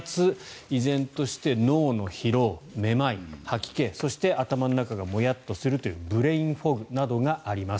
依然として脳の疲労、めまい、吐き気そして頭の中がもやっとするというブレインフォグなどがあります。